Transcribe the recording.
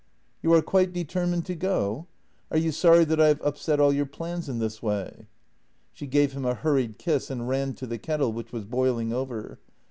" You are quite determined to go? Are you sorry that I have upset all your plans in this way? " She gave him a hurried kiss and ran to the kettle, which was boiling over.